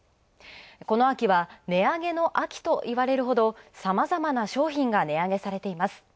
この秋は、値上げの秋といわれるほどさまざまな商品が値上げされています。